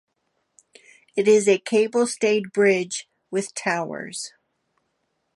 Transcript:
It is a cable-stayed bridge, with towers.